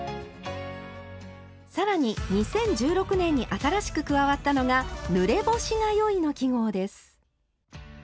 更に２０１６年に新しく加わったのが「ぬれ干しがよい」の記号です。